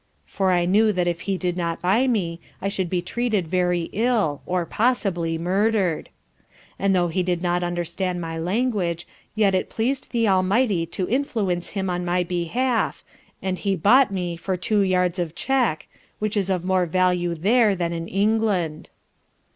(for I knew that if he did not buy me, I should be treated very ill, or, possibly, murdered) And though he did not understand my language, yet it pleased the Almighty to influence him in my behalf, and he bought me for two yards of check, which is of more value there, than in England.